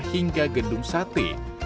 dan juga gendung sate